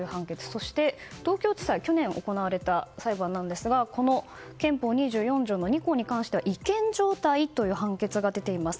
そして、東京地裁で去年行われた裁判ですが憲法２４条の２項に関しては違憲状態という判決が出ています。